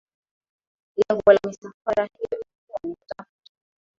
Lengo la misafara hiyo ilikuwa ni kutafuta